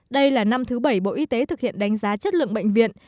đây là năm thứ bảy bộ y tế thực hiện đánh giá chất lượng bệnh viện